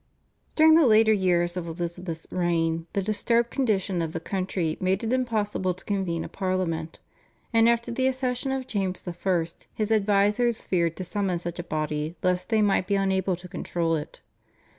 During the later years of Elizabeth's reign the disturbed condition of the country made it impossible to convene a Parliament, and after the accession of James I. his advisers feared to summon such a body lest they might be unable to control it.